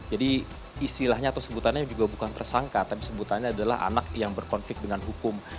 jadi istilahnya atau sebutannya juga bukan tersangka tapi sebutannya adalah anak yang berkonflik dengan hukum